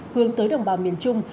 hướng tới đồng bào miền trung